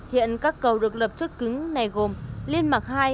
hiện các cầu được lập chốt cứng này gồm liên mạc hai